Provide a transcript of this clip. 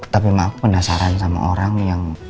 tapi emang aku penasaran sama orang yang